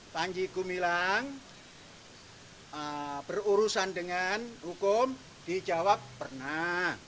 panji gumilang berurusan dengan hukum dijawab pernah